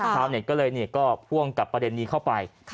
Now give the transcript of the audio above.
ชาวเน็ตก็เลยก็พ่วงกับประเด็นนี้เข้าไป